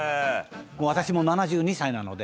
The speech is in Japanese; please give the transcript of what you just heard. もう私も７２歳なので。